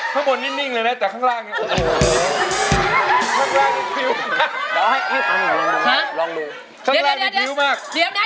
ทำลายติดปิ๊วมาก